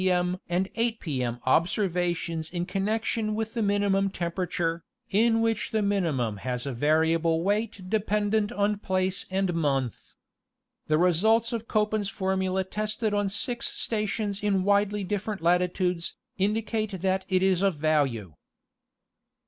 mM. and 8 Pp. M. observations in con nection with the minimum temperature, in which the minimum has a variable weight dependent on place and month. The results of Koppen's formula tested on six stations in widely dif ferent latitudes, indicate that it is of value. 60 National Geographic Magazine.